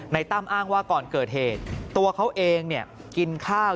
ตั้มอ้างว่าก่อนเกิดเหตุตัวเขาเองกินข้าว